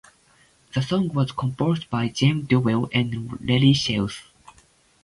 The song was composed by James Dowell and Larry Shell.